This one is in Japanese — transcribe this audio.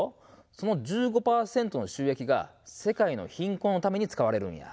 その１５％の収益が世界の貧困のために使われるんや。